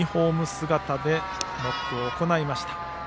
姿でノックを行いました。